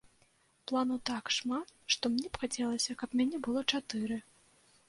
Планаў так шмат, што мне б хацелася, каб мяне было чатыры.